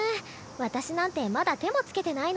私なんてまだ手もつけてないのに。